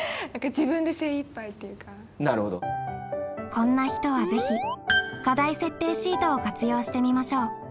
こんな人はぜひ課題設定シートを活用してみましょう。